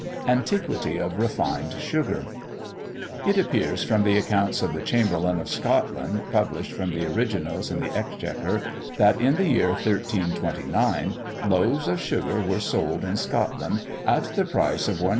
ANTIQUITY OF REFINED SUGAR. It appears from the accounts of the Chamberlain of Scotland, published from the originals in the Exchequer, that in the year 1329, loaves of sugar were sold in Scotland at the price of 1s.